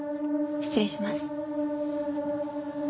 失礼します。